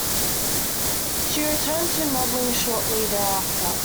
She returned to modeling shortly thereafter.